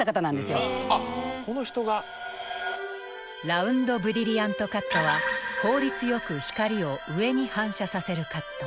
ラウンドブリリアントカットは効率よく光を上に反射させるカット。